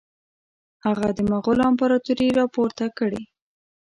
هغه د مغولو امپراطوري را پورته کړي.